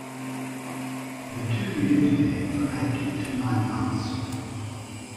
The two lived there for eight to nine months.